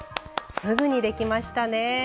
すぐにできましたね。